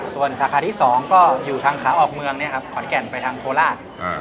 ส่วนสาขาที่สองก็อยู่ทางขาออกเมืองเนี่ยครับขอดแก่นไปทางโคราชอ่า